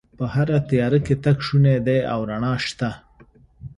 په هره تیاره کې تګ شونی دی او رڼا شته